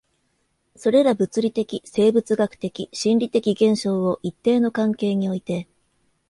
それら物理的、生物学的、心理的現象を一定の関係において